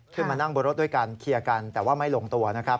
ขึ้นมานั่งบนรถด้วยกันเคลียร์กันแต่ว่าไม่ลงตัวนะครับ